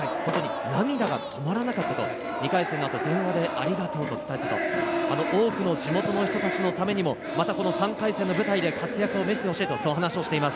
涙が止まらなかったと、２回戦の後、電話でありがとうと伝えたと多くの地元の人たちのためにもまた３回戦の舞台で活躍を見せてほしいと話をしています。